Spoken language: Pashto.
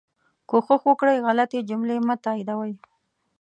کوښښ وکړئ غلطي جملې مه تائیدوئ